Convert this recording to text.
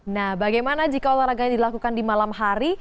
nah bagaimana jika olahraganya dilakukan di malam hari